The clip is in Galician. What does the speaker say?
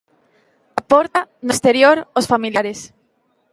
Á porta, no exterior, os familiares.